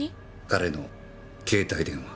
彼の携帯電話。